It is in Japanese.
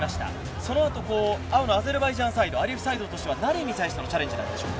その後アゼルバイジャンサイド、アリエフサイドとしては何に対してのチャレンジでしょうか？